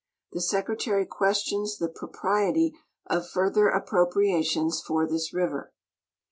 The Secretary questions the propriety of further appropriations for this river.